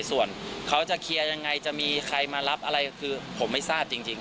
ส่วนเขาจะเคลียร์ยังไงจะมีใครมารับอะไรคือผมไม่ทราบจริง